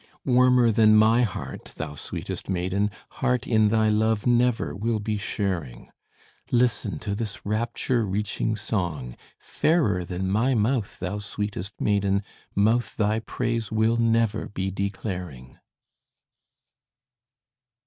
Warmer than my heart, thou sweetest maiden, Heart in thy love never will be sharing. Listen to this rapture reaching song! Fairer than my mouth, thou sweetest maiden, Mouth thy praise will never be declaring!